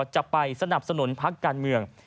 จะไปสนับสนุนพักการเมือง